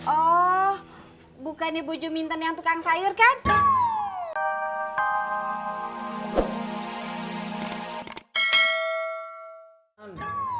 oh bukannya bu jumintan yang tukang sayur kan